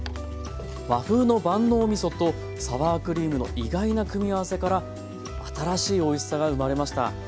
和風の万能みそとサワークリームの意外な組み合わせから新しいおいしさが生まれました。